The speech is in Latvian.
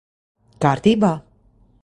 Kārtībā?